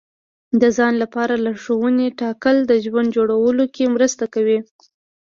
د ځان لپاره لارښوونې ټاکل د ژوند جوړولو کې مرسته کوي.